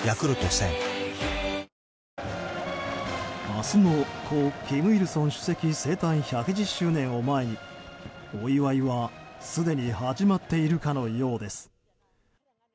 明日の故・金日成主席生誕１１０周年を前にお祝いは、すでに始まっているかのようです。